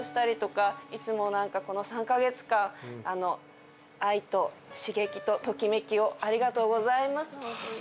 いつもなんかこの３カ月間愛と刺激とときめきをありがとうございます本当に。